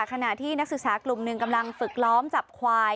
ขณะที่นักศึกษากลุ่มหนึ่งกำลังฝึกล้อมจับควาย